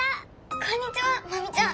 こんにちはマミちゃん！